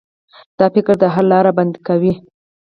دا فکر د حل لاره بنده کوي.